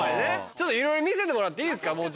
ちょっといろいろ見せてもらっていいですかもうちょっと。